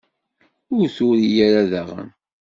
Ur turi ara daɣen.